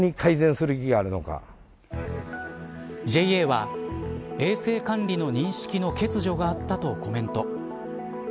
ＪＡは衛生管理の認識の欠如があったとコメント。